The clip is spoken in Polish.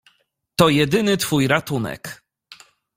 "To jedyny twój ratunek."